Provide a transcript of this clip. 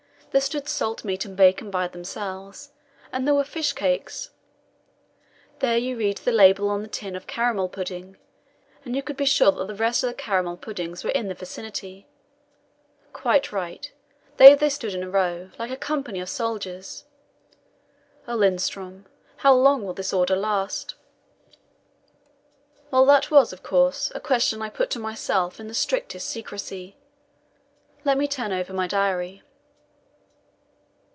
There stood salt meat and bacon by themselves, and there were fish cakes. There you read the label on a tin of caramel pudding, and you could be sure that the rest of the caramel puddings were in the vicinity. Quite right; there they stood in a row, like a company of soldiers. Oh, Lindström, how long will this order last? Well, that was, of course, a question I put to myself in the strictest secrecy. Let me turn over my diary.